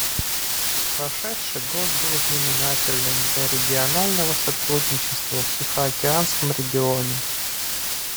Прошедший год был знаменательным для регионального сотрудничества в Тихоокеанском регионе.